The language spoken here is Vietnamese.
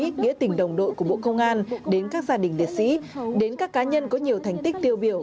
nghĩa tình đồng đội của bộ công an đến các gia đình liệt sĩ đến các cá nhân có nhiều thành tích tiêu biểu